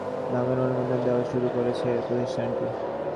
এরই অংশ হিসেবে নতুন ডোমেইন নামের অনুমোদন দেওয়া শুরু করেছে প্রতিষ্ঠানটি।